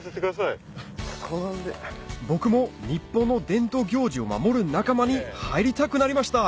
僕も日本の伝統行事を守る仲間に入りたくなりました